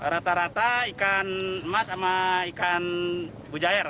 rata rata ikan emas sama ikan bujair